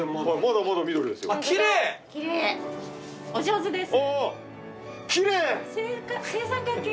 大変お上手です。